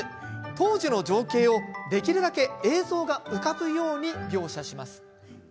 当時の情景を、できるだけ映像が浮かぶように描写します。